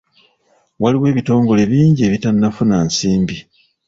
Waliwo ebitongole bingi ebitannafuna nsimbi.